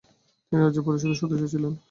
তিনি রাজ্য পরিষদের সদস্য ছিলেন।